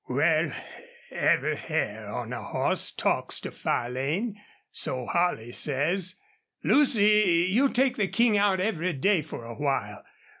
"Wal, every hair on a hoss talks to Farlane, so Holley says.... Lucy, you take the King out every day for a while.